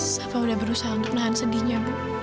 sava udah berusaha untuk nahan sedihnya bu